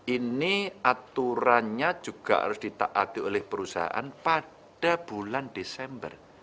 ini aturannya juga harus ditaati oleh perusahaan pada bulan desember